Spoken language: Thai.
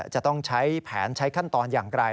จะต้องใช้แผนใช้ขั้นตอนอย่างไร